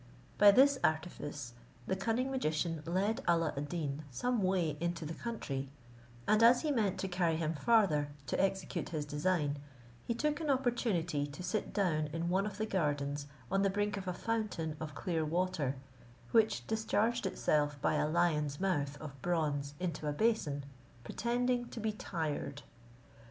By this artifice, the cunning magician led Alla ad Deen some way into the country; and as he meant to carry him farther, to execute his design, he took an opportunity to sit down in one of the gardens on the brink of a fountain of clear water, which discharged itself by a lion's mouth of bronze into a basin, pretending to be tired.